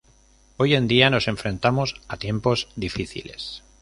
Hoy en día, nos enfrentamos a tiempos difíciles.